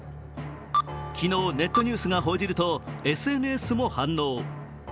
昨日、ネットニュースが報じるとＳＮＳも反応。